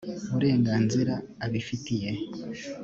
burenganzira abifitiye